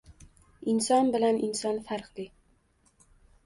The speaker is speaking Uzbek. Inson bilan inson farqli